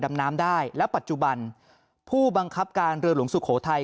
ดำน้ำได้และปัจจุบันผู้บังคับการเรือหลวงสุโขทัย